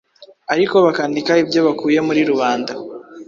ariko bakandika ibyo bakuye muri Rubanda,